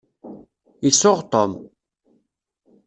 Isuɣ Tom.